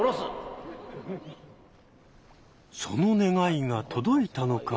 その願いが届いたのか。